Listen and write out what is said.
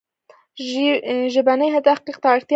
ژبني تحقیق ته اړتیا ده.